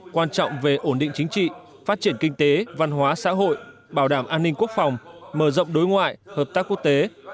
quan trọng về ổn định chính trị phát triển kinh tế văn hóa xã hội bảo đảm an ninh quốc phòng mở rộng đối ngoại hợp tác quốc tế